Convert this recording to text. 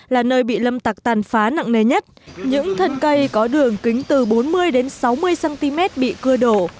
là nơi bị lâm tặc tàn phá nặng nề nhất những thân cây có đường kính từ bốn mươi đến sáu mươi cm bị cưa đổ